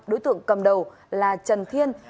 đối tượng cầm đầu là trần thiên